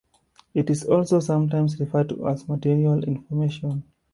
It is also sometimes referred to as material information.